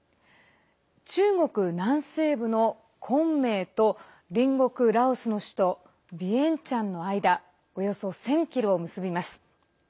中国南西部の昆明と隣国ラオスの首都ビエンチャンの間およそ１０００ｋｍを結びます。